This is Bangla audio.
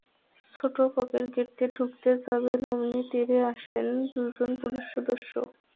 ছোট পকেট গেট দিয়ে ঢুকতে যাবেন, অমনি তেড়ে আসেন দুজন পুলিশ সদস্য।